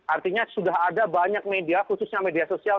artinya sudah ada banyak media khususnya media sosial